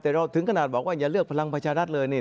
แต่เราถึงขนาดบอกว่าอย่าเลือกพลังประชารัฐเลยนี่